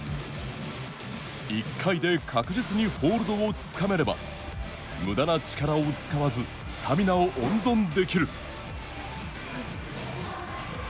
１回で確実にホールドをつかめればむだな力を使わずスタミナを温存できる。